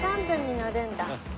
４３分に乗るんだ。